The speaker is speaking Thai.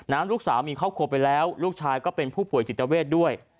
ลูกสาวมีครอบครัวไปแล้วลูกชายก็เป็นผู้ป่วยจิตเวทด้วย